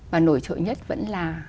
và nổi trội nhất vẫn là